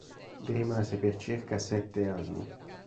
Vi rimase per circa sette anni.